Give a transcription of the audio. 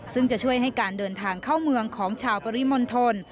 ซึ่งจะช่วยให้การเดินทางเข้าเมืองของชาวปริมณฑล